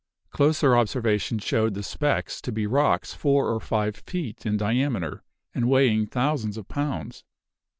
Closer observation showed the "specks" to be rocks four or five feet in diameter, and weighing thousands of pounds.